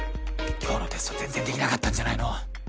今日のテスト全然できなかったんじゃないの？